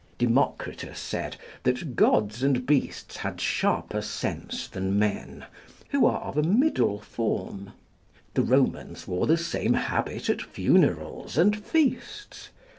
Democritus said, that gods and beasts had sharper sense than men, who are of a middle form. The Romans wore the same habit at funerals and feasts.